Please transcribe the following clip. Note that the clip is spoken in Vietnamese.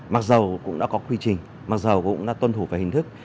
mặc dù cũng đã có quy trình mặc dù cũng đã tuân thủ về hình thức